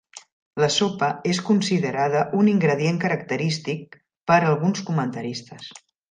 La sopa és considerada un ingredient característic per alguns comentaristes.